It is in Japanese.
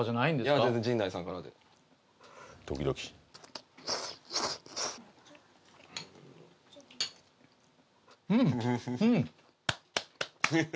いや全然陣内さんからでドキドキうんうん！